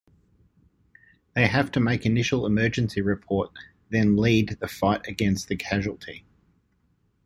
They have to make initial emergency report then lead the fight against the casualty.